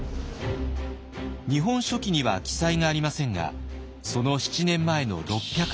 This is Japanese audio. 「日本書紀」には記載がありませんがその７年前の６００年。